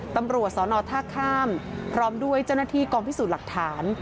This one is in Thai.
ตำรวจสอนอท่าข้ามพร้อมด้วยเจ้าหน้าที่กองพิสูจน์หลักฐาน